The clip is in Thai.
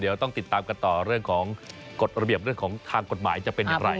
เดี๋ยวต้องติดตามกันต่อเรื่องของกฎระเบียบเรื่องของค้า